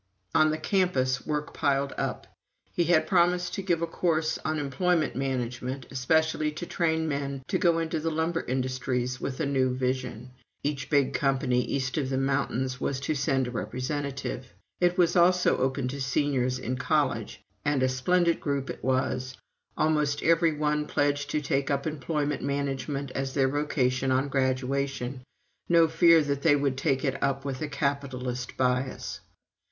On the campus work piled up. He had promised to give a course on Employment Management, especially to train men to go into the lumber industries with a new vision. (Each big company east of the mountains was to send a representative.) It was also open to seniors in college, and a splendid group it was, almost every one pledged to take up employment management as their vocation on graduation no fear that they would take it up with a capitalist bias.